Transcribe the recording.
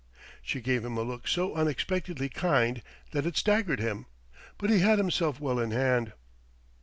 She gave him a look so unexpectedly kind that it staggered him. But he had himself well in hand.